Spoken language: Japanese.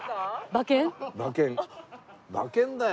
馬券だよ。